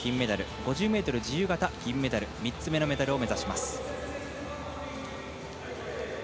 ５０ｍ自由形銀メダル３つ目のメダルを目指します。